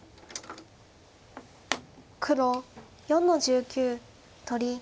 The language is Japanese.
黒４の十九取り。